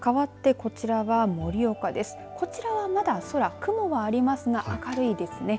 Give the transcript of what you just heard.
こちらはまだ空、雲はありますが明るいですね。